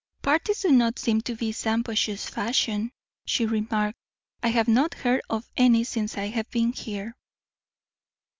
"Parties do not seem to be Shampuashuh fashion," she remarked. "I have not heard of any since I have been here."